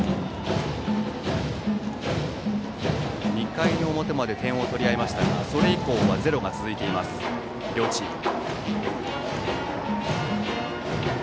２回の表まで点を取り合いましたがそれ以降はゼロが続いている両チーム。